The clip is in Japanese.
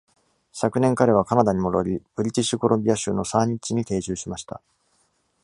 昨年、彼はカナダに戻り、ブリティッシュコロンビア州のサーニッチに定住しました。